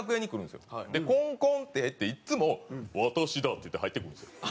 でコンコンってやっていつも「私だ」って言って入ってくるんですよ。